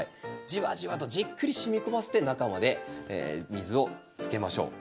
じわじわとじっくり染み込ませて中まで水をつけましょう。